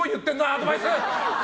アドバイス！